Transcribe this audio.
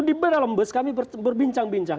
di dalam bus kami berbincang bincang